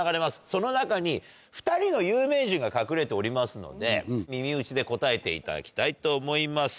その中に２人の有名人が隠れておりますので耳打ちで答えていただきたいと思います。